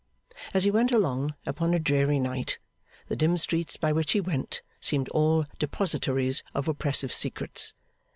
As he went along, upon a dreary night, the dim streets by which he went, seemed all depositories of oppressive secrets.